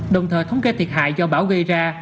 đồng thời thống kê thiệt hại do bão gây ra